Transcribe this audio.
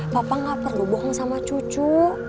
papa gak perlu bohong sama cucu